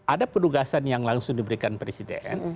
ada penugasan yang langsung diberikan presiden